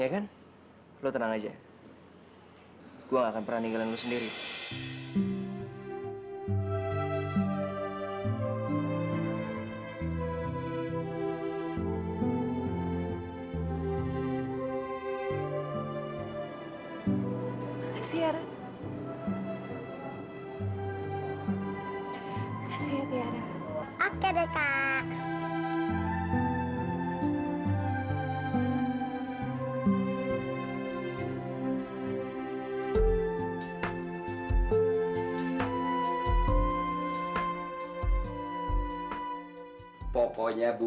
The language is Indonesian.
aku rela aku ngelepasin kamu